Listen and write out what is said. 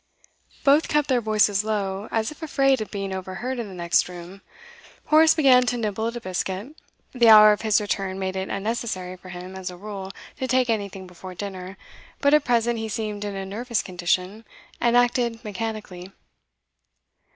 Both kept their voices low, as if afraid of being overheard in the next room. Horace began to nibble at a biscuit; the hour of his return made it unnecessary for him, as a rule, to take anything before dinner, but at present he seemed in a nervous condition, and acted mechanically.